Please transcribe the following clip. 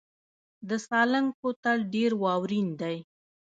د سالنګ کوتل ډیر واورین دی